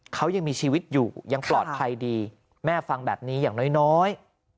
เขายังมีชีวิตอยู่ยังปลอดภัยดีแม่ฟังแบบนี้อย่างน้อย